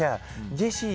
ジェシー！